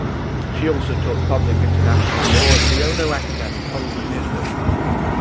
She also taught public international law at the Ono Academic College in Israel.